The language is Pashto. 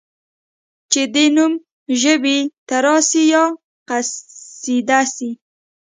چي دي نوم ژبي ته راسي یا یا قصیده سي